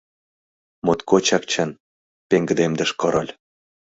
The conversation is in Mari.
— Моткочак чын, — пеҥгыдемдыш король.